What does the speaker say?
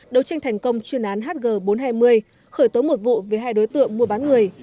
đấu tranh thành công chuyên án hg bốn trăm hai mươi khởi tố một vụ với hai đối tượng mua bán người